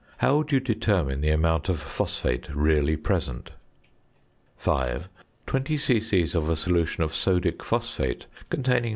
How would you determine the amount of phosphate really present? 5. Twenty c.c. of a solution of sodic phosphate containing 0.